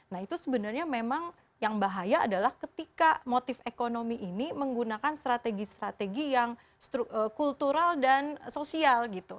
nah itu sebenarnya memang yang bahaya adalah ketika motif ekonomi ini menggunakan strategi strategi yang kultural dan sosial gitu